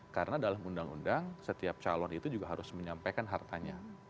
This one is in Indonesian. karena dalam undang undang setiap calon itu juga harus menyampaikan hartanya